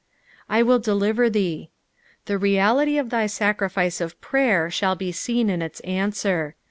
"/ wui deliver thee." The reality of thy sacrifice of prayer shall be seen in its answer.